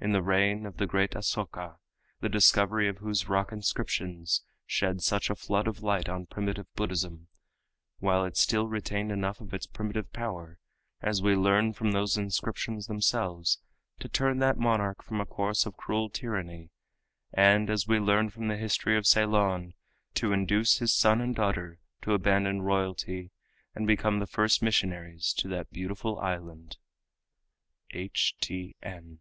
in the reign of the great Asoka, the discovery of whose rock inscriptions shed such a flood of light on primitive Buddhism, while it still retained enough of its primitive power, as we learn from those inscriptions themselves, to turn that monarch from a course of cruel tyranny, and, as we learn from the history of Ceylon, to induce his son and daughter to abandon royalty and become the first missionaries to that beautiful island. H.T.N.